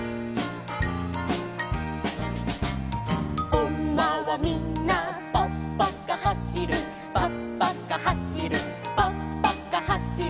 「おんまはみんなぱっぱかはしる」「ぱっぱかはしるぱっぱかはしる」